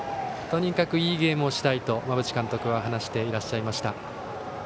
とにかくいいゲームをしたいと馬淵監督は話していらっしゃいました。